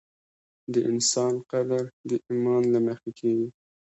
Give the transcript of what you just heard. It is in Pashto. د انسان قدر د ایمان له مخې کېږي.